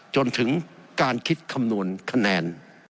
จนถึงการคิดคำนวณคะแนน